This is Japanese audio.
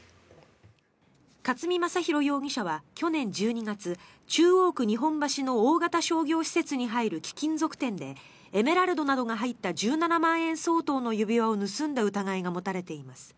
勝見将博容疑者は去年１２月中央区日本橋の大型商業施設に入る貴金属店でエメラルドなどが入った１７万円相当の指輪を盗んだ疑いが持たれています。